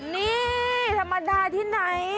นี่ธรรมดาที่ไหน